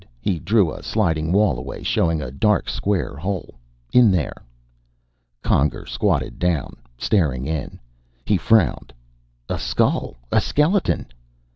He drew a sliding wall away, showing a dark square hole. "In there." Conger squatted down, staring in. He frowned. "A skull! A skeleton!"